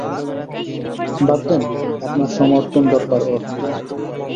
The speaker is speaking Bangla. বাদ দেন, আপনার সমর্থন দরকার ওর।